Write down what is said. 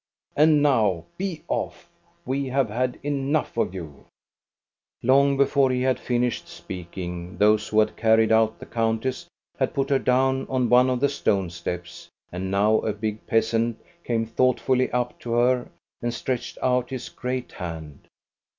And now be off! We have had enough of you !" Long before he had finished speaking, those who had carried out the countess had put her down on one of the stone steps; and now a big peasant came thoughtfully up to her and stretched out his great hand.